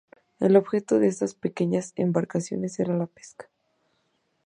El objetivo de estas pequeñas embarcaciones era la pesca.